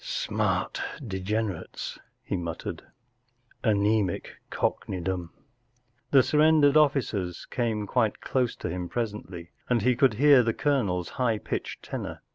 “ Smart de¬ generates,” he muttered. 11 Anaemic cock neydom,' 1 The surren¬ dered officers c a m e quite close to him presently, and he could hear the colonel's high pitched tenor.